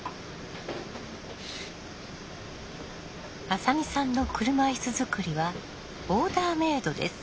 浅見さんの車いす作りはオーダーメードです。